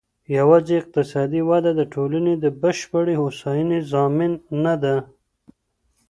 يواځې اقتصادي وده د ټولني د بشپړې هوسايني ضامن نه ده.